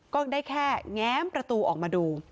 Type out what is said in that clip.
ก็ได้แค่แง้มประตูออกมาดู